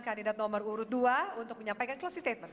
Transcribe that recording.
kandidat nomor urut dua untuk menyampaikan closing statement